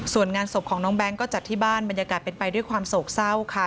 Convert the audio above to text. ส่วนงานศพของน้องแบงค์ก็จัดที่บ้านบรรยากาศเป็นไปด้วยความโศกเศร้าค่ะ